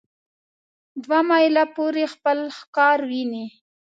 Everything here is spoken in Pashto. دوه مایله پورې خپل ښکار ویني.